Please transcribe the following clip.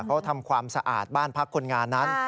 เขาทำความสะอาดบ้านพักคนงานนั้น